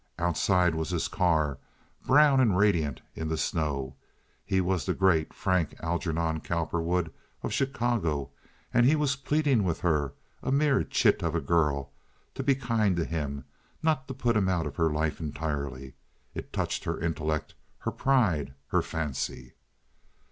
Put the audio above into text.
Outside was his car brown and radiant in the snow. He was the great Frank Algernon Cowperwood, of Chicago, and he was pleading with her, a mere chit of a girl, to be kind to him, not to put him out of her life entirely. It touched her intellect, her pride, her fancy.